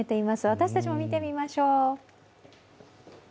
私たちも見てみましょう。